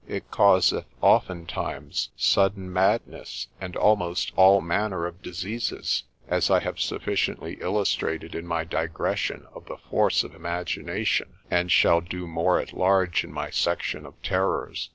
It causeth oftentimes sudden madness, and almost all manner of diseases, as I have sufficiently illustrated in my digression of the force of imagination, and shall do more at large in my section of terrors.